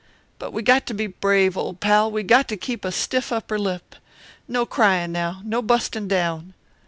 But we got to be brave, old pal; we got to keep a stiff upper lip no cryin' now; no bustin' down."